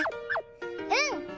うん！